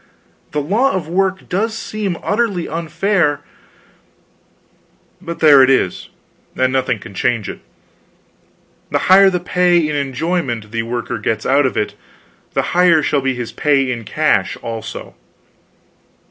The law of work does seem utterly unfair but there it is, and nothing can change it: the higher the pay in enjoyment the worker gets out of it, the higher shall be his pay in cash, also.